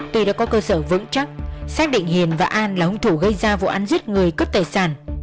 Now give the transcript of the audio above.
tuy đã có cơ sở vững chắc xác định hiền và an là hùng thủ gây ra vụ ăn giết người cất tài sản